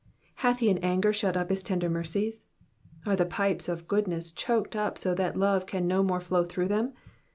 ^^Hatk he in anger thut up his tender mercies T^ Are the pipes of goodness choked up so that love can no more flow through them?